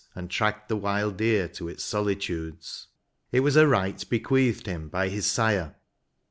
And tracked the wild deer to its solitudes, — It was a right bequeathed him by his sire.